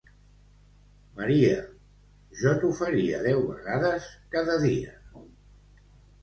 Maria... jo t'ho faria deu vegades cada dia!